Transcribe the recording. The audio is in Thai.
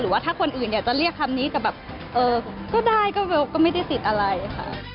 หรือว่าถ้าคนอื่นเนี่ยจะเรียกคำนี้ก็แบบเออก็ได้ก็ไม่ได้ติดอะไรค่ะ